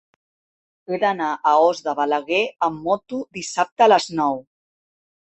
He d'anar a Os de Balaguer amb moto dissabte a les nou.